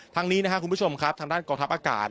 นี้นะครับคุณผู้ชมครับทางด้านกองทัพอากาศ